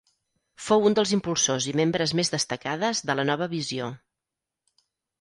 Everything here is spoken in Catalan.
Fou un dels impulsors i membres més destacades de la Nova Visió.